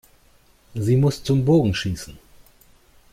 Sie muss zum Bogenschießen.